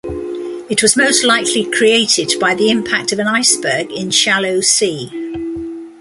It was most likely created by the impact of an iceberg in shallow sea.